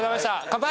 乾杯！